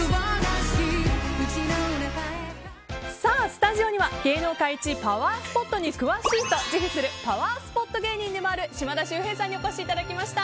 スタジオには芸能界一パワースポットに詳しいと自負するパワースポット芸人でもある島田秀平さんにお越しいただきました。